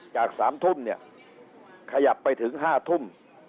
จาก๓ทุ่มเนี่ยขยับไปถึง๕ทุ่ม